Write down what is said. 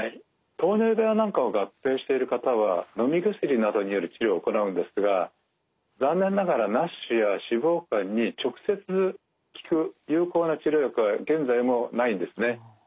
糖尿病なんかを合併している方はのみ薬などによる治療を行うんですが残念ながらＮＡＳＨや脂肪肝に直接効く有効な治療薬は現在もないんですね。